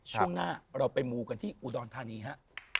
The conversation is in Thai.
ช่วงหน้าเราไปมูกันที่อุดรธานีฮะ